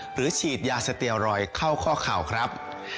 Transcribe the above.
ฉีดยาสเตียรอยเข้าข้อเข่าครับ